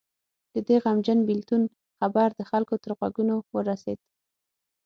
د دې غمجن بېلتون خبر د خلکو تر غوږونو ورسېد.